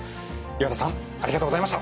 岩田さんありがとうございました。